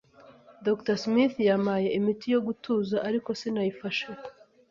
Dr. Smith yampaye imiti yo gutuza, ariko sinayifashe.